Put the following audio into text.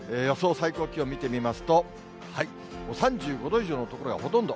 最高気温見てみますと、３５度以上の所がほとんど。